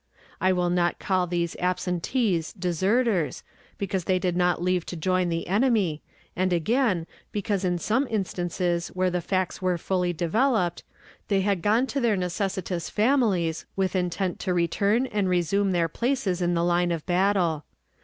I will not call these absentees deserters, because they did not leave to join the enemy, and again, because in some instances where the facts were fully developed, they had gone to their necessitous families with intent to return and resume their places in the line of battle.